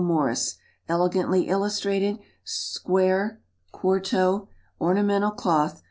MORRIS. Elegantly Illustrated. Square 4to, Ornamental Cloth, $1.